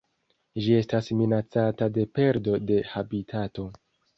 Ĝi estas minacata de perdo de habitato.